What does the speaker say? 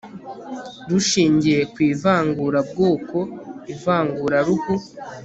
rushingiye ku ivangurabwoko ivanguraruhu